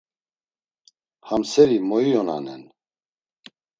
Ham seri moionanen.